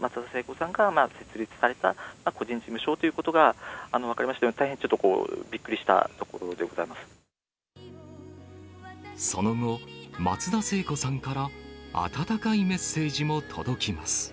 松田聖子さんが設立された個人事務所ということが分かりまして、大変ちょっと、びっくりしたその後、松田聖子さんから温かいメッセージも届きます。